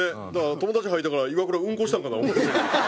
友達吐いたからイワクラうんこしたんかな思って。